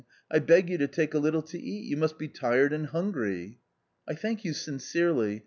I beg you to take a little to eat ; you must be tired and hungry." " I thank you sincerely.